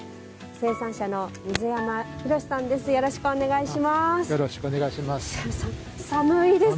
生産者の水山裕司さんです。